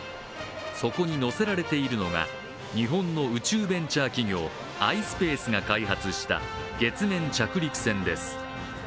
そこに載せられているのが日本の宇宙ベンチャー企業、ｉｓｐａｃｅが開発した月面着陸船です。